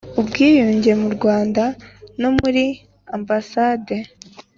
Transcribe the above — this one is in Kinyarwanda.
ubwiyunge mu rwanda no muri ambasande